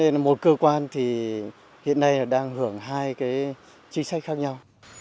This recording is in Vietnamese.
nên một cơ quan thì hiện nay đang hưởng hai chính sách khác nhau